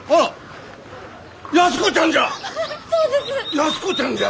安子ちゃんじゃ！